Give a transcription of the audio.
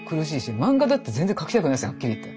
漫画だって全然描きたくないですよはっきり言って。